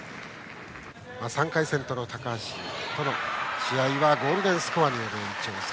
３回戦の高橋との試合はゴールデンスコアによる延長戦。